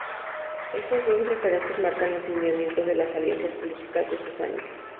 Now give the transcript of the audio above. Esos dos referentes marcan los lineamientos de las alianzas políticas de esos años.